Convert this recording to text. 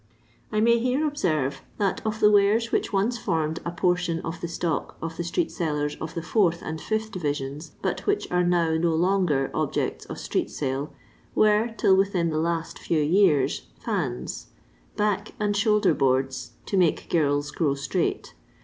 I may here observe, that of the wares which once formed a portion of the stock of the street sellers of the fourth and fifth divisions, but which are now no longer objects of street sale, were, till within the last few years, fims ; back and shoulder boards (to make girls grow straight